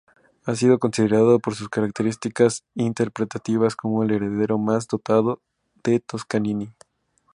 Ha sido considerado por sus características interpretativas como el heredero más dotado de Toscanini.